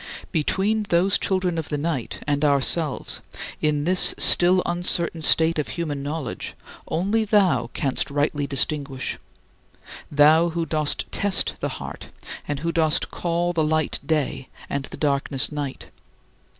Between those children of the night and ourselves, in this still uncertain state of human knowledge, only thou canst rightly distinguish thou who dost test the heart and who dost call the light day, and the darkness night.